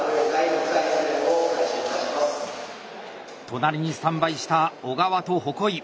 隣にスタンバイした小川と鉾井。